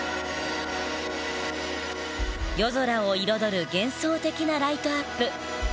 夜空を彩る幻想的なライトアップ。